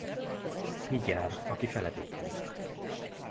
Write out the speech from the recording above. Így jár, aki feledékeny.